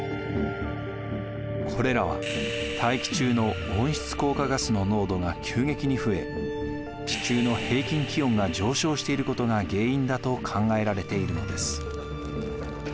これらは大気中の温室効果ガスの濃度が急激に増え地球の平均気温が上昇していることが原因だと考えられているのです。